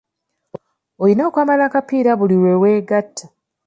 Olina okwambala akapiira buli lwe weegatta.